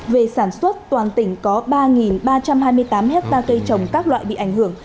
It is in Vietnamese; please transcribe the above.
về sản xuất toàn tỉnh có ba ba trăm hai mươi tám hectare cây trồng các loại bị ảnh hưởng